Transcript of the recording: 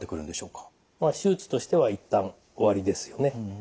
手術としては一旦終わりですよね。